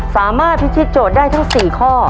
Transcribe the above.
สามารถพิธีโจทย์ได้ทั้ง๔ข้อ